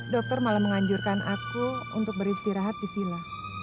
dokter malah menganjurkan aku untuk beristirahat di vila